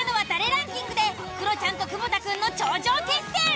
ランキングでクロちゃんと久保田くんの頂上決戦！